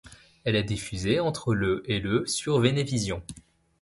Elle est diffusée entre le et le sur Venevisión.